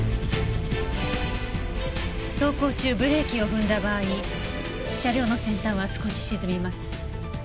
走行中ブレーキを踏んだ場合車両の先端は少し沈みます。